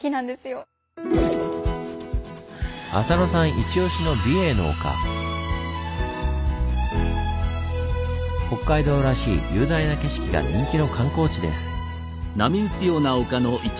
イチオシの北海道らしい雄大な景色が人気の観光地です。